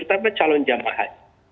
pertama calon jamaat